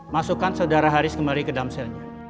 masukkan saudara haris kembali ke damselnya